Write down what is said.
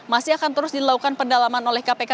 masih akan terus dilakukan pendalaman oleh kpk